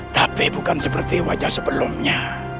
tapi bukan seperti wajah sebelumnya